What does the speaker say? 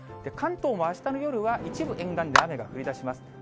関東もあしたの夜は、一部沿岸で雨が降りだします。